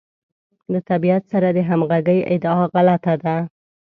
له طبیعت سره د همغږۍ ادعا غلطه ده.